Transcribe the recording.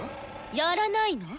やらないの？